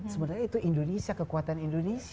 sebenarnya itu indonesia kekuatan indonesia